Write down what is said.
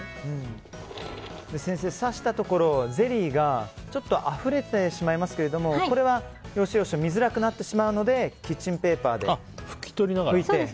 先生、刺したところはゼリーがちょっとあふれてしまいますけどもこれは見づらくなってしまうのでキッチンペーパーで拭いて。